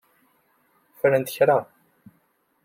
Fernet kra.